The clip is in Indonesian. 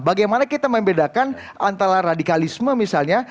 bagaimana kita membedakan antara radikalisme misalnya